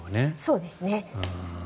そうですね。